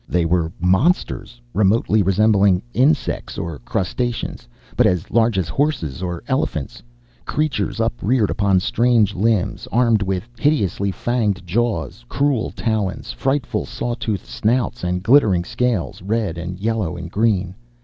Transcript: They were monsters remotely resembling insects or crustaceans, but as large as horses or elephants; creatures upreared upon strange limbs, armed with hideously fanged jaws, cruel talons, frightful, saw toothed snouts, and glittering scales, red and yellow and green.